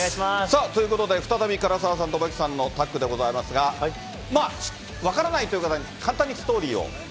ということで、再び、唐沢さんと増田さんのタッグでございますが、分からないという方に、簡単にストーリーを。